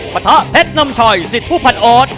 ปะทะเพชรนำชัยสิทธิ์ผู้พันโอ๊ต